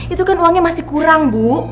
itu kan uangnya masih kurang bu